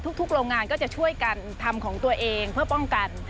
โรงงานก็จะช่วยกันทำของตัวเองเพื่อป้องกัน